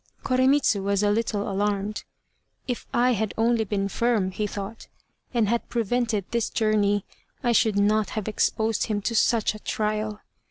Koremitz was a little alarmed. "If I had only been firm," he thought, "and had prevented this journey, I should not have exposed him to such a trial."